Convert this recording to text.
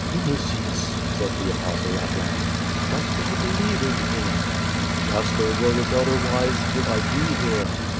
*'Viniti^s,^' said the Apostle at last, "dost thou believe in Him?'' ''Master, wipQ it otherwise, would I be here?''